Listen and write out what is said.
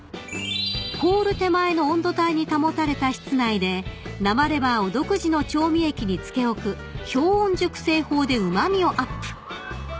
［凍る手前の温度帯に保たれた室内で生レバーを独自の調味液に漬け置く氷温熟成法でうま味をアップ］